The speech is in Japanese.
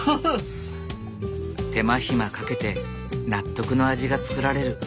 手間暇かけて納得の味が作られる。